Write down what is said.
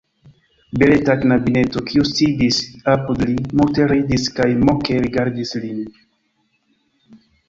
Beleta knabineto, kiu sidis apud li, multe ridis kaj moke rigardis lin.